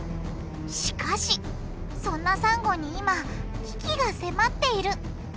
しかしそんなサンゴに今危機が迫っている！